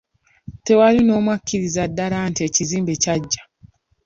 Tewali n'omu akkiriza ddala nti ekizimbe kyaggya.